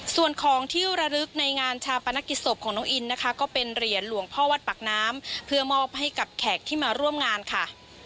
ส่วนของที่ระลึกในงานชาปนกิจศพของน้องอินนะคะก็เป็นเหรียญหลวงพ่อวัดปากน้ำเพื่อมอบให้กับแขกที่มาร่วมงานค่ะ